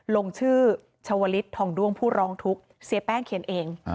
ลงชื่อชวลิศทองด้วงผู้ร้องทุกข์เสียแป้งเขียนเอง